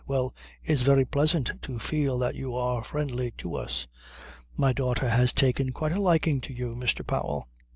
Well, it's very pleasant to feel that you are friendly to us. My daughter has taken quite a liking to you, Mr. Powell."